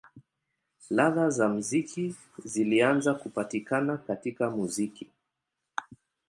Ladha za muziki zilianza kupatikana katika muziki.